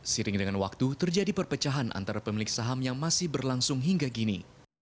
sering dengan waktu terjadi perpecahan antara pemilik saham yang masih berlangsung hingga kini